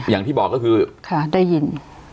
อย่างที่บอกก็คือค่ะได้ยิน